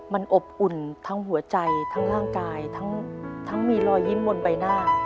มันอบอุ่นทั้งหัวใจทั้งร่างกายทั้งมีรอยยิ้มบนใบหน้า